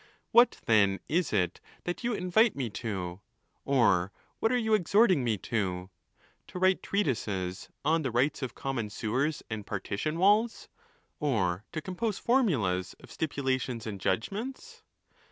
What, then, is it that you invite me to? or what.are you exhorting me to? to write treatises on the rights of common sewers and partition walls? or to compose formulas of stipulations and judgments?